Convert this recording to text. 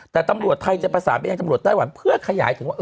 แต่ตำรวจไทยจะประสานไปยังตำรวจไต้หวันเพื่อขยายถึงว่า